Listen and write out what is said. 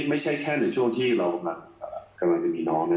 ไม่ใช่แค่ในช่วงที่เรากำลังจะมีน้องนะ